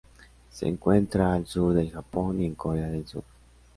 Se encuentra al sur del Japón y en Corea del sur.